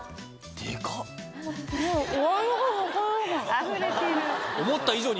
あふれてる。